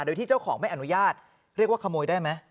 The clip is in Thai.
โดยที่เจ้าของไม่อนุญาตเรียกว่าขโมยได้ไหม